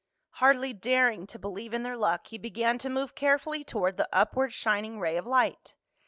Hardly daring to believe in their luck, he began to move carefully toward the upward shining ray of light.